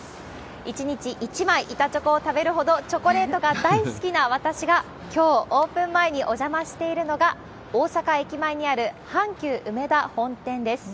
１日１枚板チョコを食べるほど、チョコレートが大好きな私が、きょうオープン前にお邪魔しているのが、大阪駅前にある阪急梅田本店です。